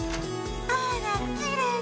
あらきれいね。